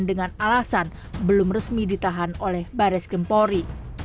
dengan alasan belum resmi ditahan oleh baris kempori